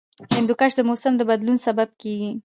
هندوکش د موسم د بدلون سبب کېږي.